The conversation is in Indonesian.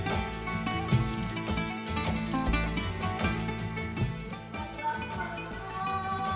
kalau ini kan yang kami inginkan